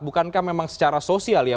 bukankah memang secara sosial ya